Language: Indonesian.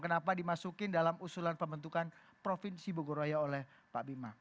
kenapa dimasukin dalam usulan pembentukan provinsi bogoraya oleh pak bima